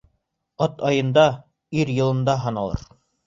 Ат айында, ир йылында һыналыр.